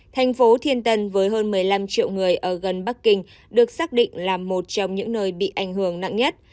thành phố thiên tân với hơn một mươi năm triệu người ở gần bắc kinh được xác định là một trong những nơi bị ảnh hưởng nặng nhất